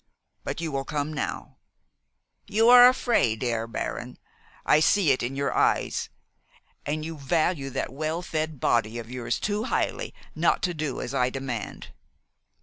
But you will come now. You are afraid, Herr Baron. I see it in your eyes, and you value that well fed body of yours too highly not to do as I demand.